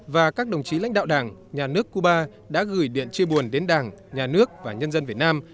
và các đồng chí lãnh đạo đảng nhà nước cuba đã gửi điện chia buồn đến đảng nhà nước và nhân dân việt nam